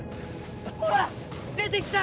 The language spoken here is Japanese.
ほら出てきた！